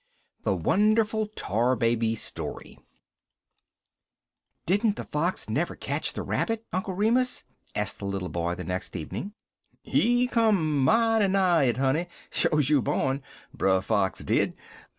THE WONDERFUL TAR BABY STORY "Didn't the fox never catch the rabbit, Uncle Remus?" asked the little boy the next evening. "He come mighty nigh it, honey, sho's you born Brer Fox did.